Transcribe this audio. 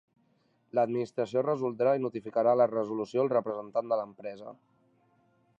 L'Administració resoldrà i notificarà la resolució al representant de l'empresa.